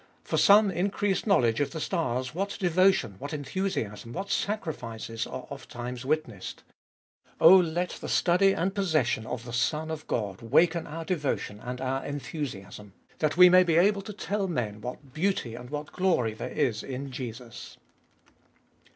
For some increased knowledge of the stars what devotion, what enthusiasm, what sacrifices are ofttimes witnessed. Oh, let the study and posses sion of the Son of God waken our devotion and our enthusiasm, that we may be able to tell men what beauty and what glory there is in Jesus.